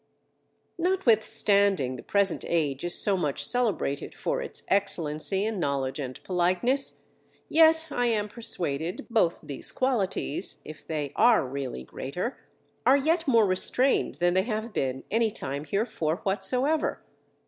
Notwithstanding the present age is so much celebrated for its excellency in knowledge and politeness, yet I am persuaded both these qualities, if they are really greater, are yet more restrained than they have been any time herefore whatsoever.